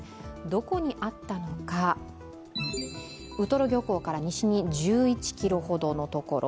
どこにあったのか、ウトロ漁港から西に１１ｋｍほどのところ。